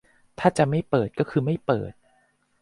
ถ้าจะไม่เปิด ก็คือไม่เปิด